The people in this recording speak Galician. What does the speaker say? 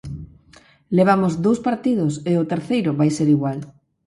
Levamos dous partidos e o terceiro vai ser igual.